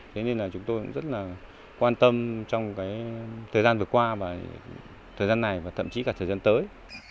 thế nên là chúng tôi cũng rất là quan tâm trong cái thời gian vừa qua và thời gian này và thậm chí cả thời gian tới